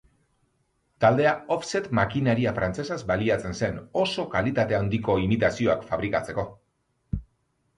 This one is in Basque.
Taldea offset makinaria frantsesaz baliatzen zen oso kalitate handiko imitazioak fabrikatzeko.